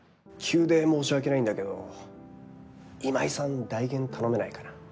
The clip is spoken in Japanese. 急で申し訳ないんだけど今井さん代原頼めないかな？